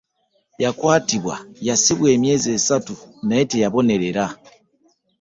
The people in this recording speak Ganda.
Yakwatibwa yasibwa emyezi essatu naye teyabonerera.